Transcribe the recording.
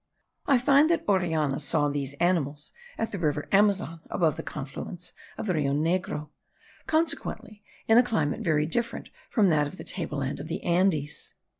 I find that Orellana saw these animals at the river Amazon, above the confluence of the Rio Negro, consequently in a climate very different from that of the table land of the Andes.